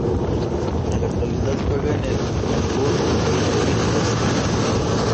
En la actualidad juega en el Melbourne Victory australiano.